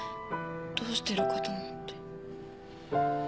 どうしてるかと思って。